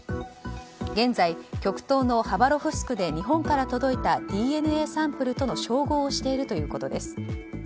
現在、極東のハバロフスクで日本から届いたＤＮＡサンプルとの照合をしているということです。